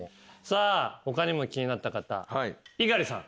さあ他にも気になった方。